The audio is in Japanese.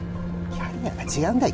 キャリアが違うんだよ